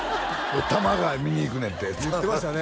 多摩川見に行くねんて言ってましたね